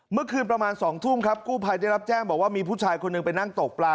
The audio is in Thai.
เมื่อคืนประมาณ๒ทุ่มครับกู้ภัยได้รับแจ้งบอกว่ามีผู้ชายคนหนึ่งไปนั่งตกปลา